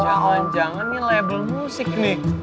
jangan jangan nih label musik nih